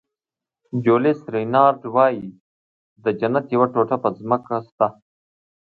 جولیس رینارډ وایي د جنت یوه ټوټه په ځمکه شته.